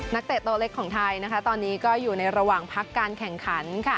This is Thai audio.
เตะโตเล็กของไทยตอนนี้ก็อยู่ในระหว่างพักการแข่งขัน